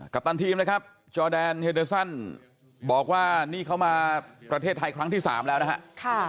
กัปตันทีมนะครับบอกว่านี่เขามาประเทศไทยครั้งที่สามแล้วนะฮะค่ะ